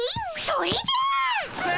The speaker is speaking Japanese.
それじゃ！ス！